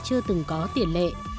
chưa từng có tiền lệ